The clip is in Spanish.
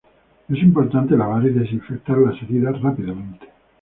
Es importante lavar y desinfectar las heridas rápidamente.